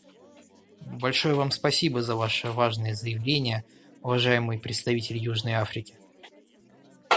Большое Вам спасибо за Ваше важное заявление, уважаемый представитель Южной Африки.